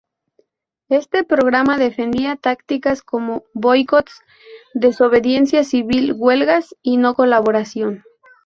Este programa defendía tácticas como boicots, desobediencia civil, huelgas y no colaboración.